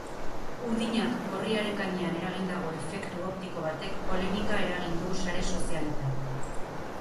Urdinak gorriaren gainean eragindako efektu optiko batek polemika eragin du sare sozialetan.